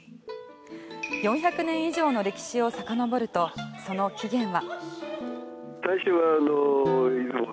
４００年以上の歴史をさかのぼるとその起源は。